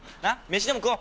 飯でも食おう。